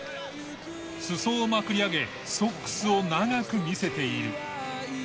裾をまくり上げソックスを長く見せている。